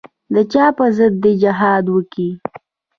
د چا پر ضد دې جهاد وکي.